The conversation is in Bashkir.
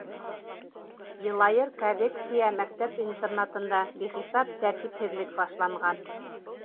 Йылайыр коррекция мәктәп-интернатында бихисап тәртипһеҙлек фашланған.